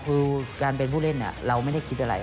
คือการเป็นผู้เล่นเราไม่ได้คิดอะไร